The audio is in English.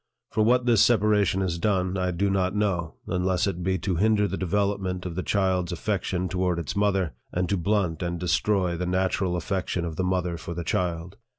For what this sep aration is done, I do not know, unless it be to hinder the development of the child's affection toward its mother, and to blunt and destroy the natural affection of the mother for the child.